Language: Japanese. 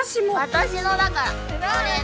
私のだから！